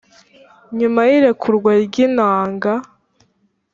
nyuma y’irekurwa ryi ntanga